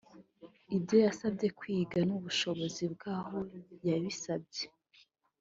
ibyo yasabye kwiga n’ubushobozi bw’aho yabisabye